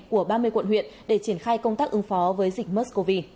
của ba mươi quận huyện để triển khai công tác ứng phó với dịch mờ